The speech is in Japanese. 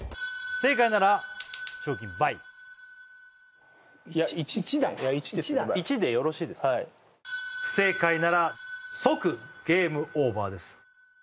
先輩１だ１だ１でよろしいですか不正解なら即ゲームオーバーです